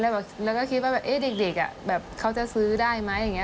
แล้วก็คิดว่าเด็กอะเขาจะซื้อได้ไหม